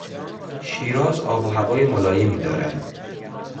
شیراز آب و هوای ملایمی دارد.